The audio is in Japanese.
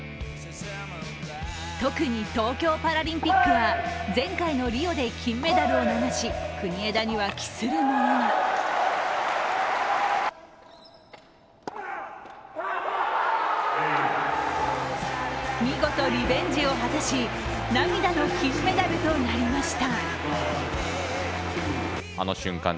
特に東京パラリンピックは前回のリオで金メダルを逃し国枝には期するものが見事、リベンジを果たし涙の金メダルとなりました。